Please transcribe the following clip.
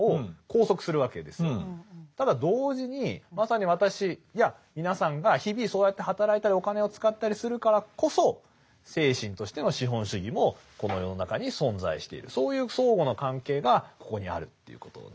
ただ同時にまさに私や皆さんが日々そうやって働いたりお金を使ったりするからこそ精神としての資本主義もこの世の中に存在しているそういう相互の関係がここにあるということなんです。